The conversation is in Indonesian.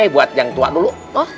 buat yang tua dulu